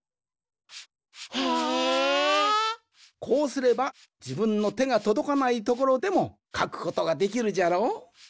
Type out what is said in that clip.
こうすればじぶんのてがとどかないところでもかくことができるじゃろう？